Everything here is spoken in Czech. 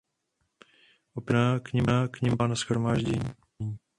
Opět svobodná k nim promlouvá na shromáždění.